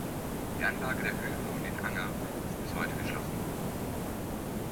Die Anlage der Höfe um den Anger ist bis heute geschlossen.